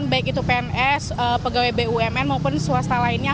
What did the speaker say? baik itu pns pegawai bumn maupun swasta lainnya